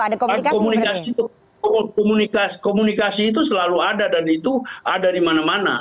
komunikasi komunikasi itu selalu ada dan itu ada di mana mana